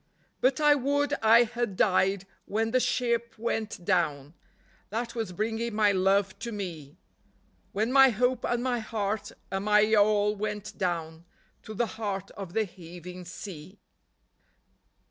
But I would I had died when the ship went down That was bringing my love to me, When my hope, and my heart, and my all went down To the heart of the heaving sea. 89 90 LOST AT SEA.